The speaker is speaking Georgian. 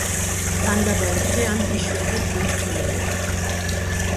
ტანდაბალი ხე ან იშვიათად ბუჩქნარია.